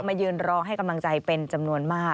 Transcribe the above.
ยืนรอให้กำลังใจเป็นจำนวนมาก